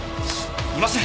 いません！